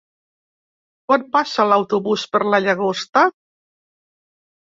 Quan passa l'autobús per la Llagosta?